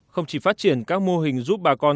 không chỉ phát triển các mô hình giúp bà con